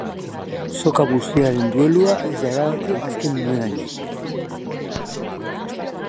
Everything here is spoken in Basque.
Soka bustiaren duelua ez da erabaki azken uneraino.